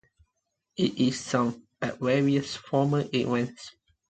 It is sung at various formal events.